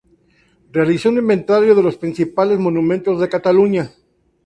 Realizó un inventario de los principales monumentos de Cataluña.